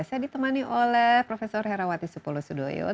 saya ditemani oleh prof herawati supolosudoyo